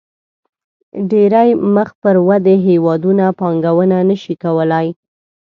ډېری مخ پر ودې هېوادونه پانګونه نه شي کولای.